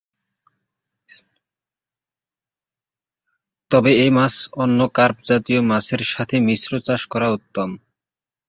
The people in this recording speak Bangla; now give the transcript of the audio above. তবে এ মাছ অন্য কার্প জাতীয় মাছের সাথে মিশ্র চাষ করা উত্তম।